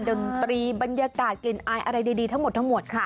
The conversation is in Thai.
ดังตรีบรรยากาศกลิ่นอายอะไรดีทั้งหมดค่ะ